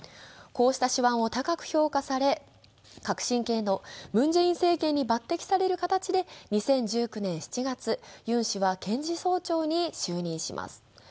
こうした手腕を高く評価され、革新系のムン・ジェイン政権に抜てきされる形で２０１９年７月、ユン氏は検事総長に就任します。